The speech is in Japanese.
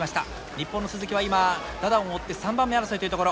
日本の鈴木は今ダダオンを追って３番目争いというところ。